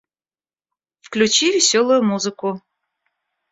Включи весёлую музыку